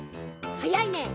はやいね！